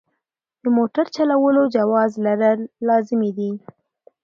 د موټر چلولو جواز لرل لازمي دي.